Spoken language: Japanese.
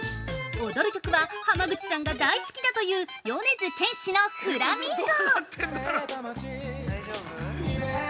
踊る曲は浜口さんが大好きだという米津玄師の「フラミンゴ」。